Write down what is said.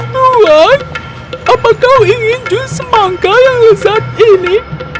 tuan apa kau ingin jus semangka yang lezat ini